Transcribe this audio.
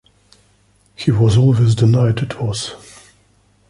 He has always denied it was.